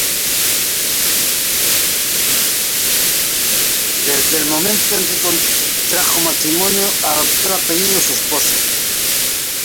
Desde el momento en que contrajo matrimonio, adoptó el apellido de su esposo.